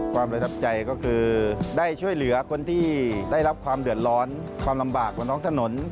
ประทับใจก็คือได้ช่วยเหลือคนที่ได้รับความเดือดร้อนความลำบากบนท้องถนน